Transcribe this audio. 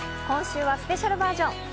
今週はスペシャルバージョン。